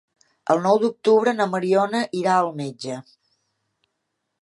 El nou d'octubre na Mariona irà al metge.